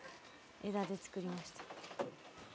枝で作りました。